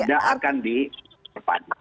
dan tidak akan diperpanjang